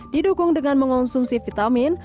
didukung dengan mengonsumsi vitamin